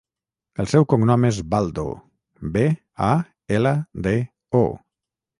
El seu cognom és Baldo: be, a, ela, de, o.